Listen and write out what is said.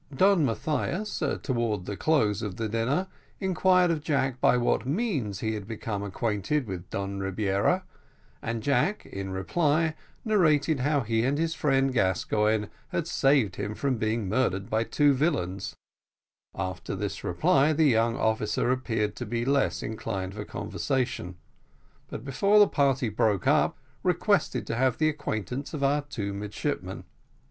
Don Mathias, towards the close of the dinner, inquired of Jack by what means he had become acquainted with Don Rebiera, and Jack, in reply, narrated how he and his friend Gascoigne had saved him from being murdered by two villains; after this reply the young officer appeared to be less inclined for conversation, but before the party broke up requested to have the acquaintance of our two midshipmen.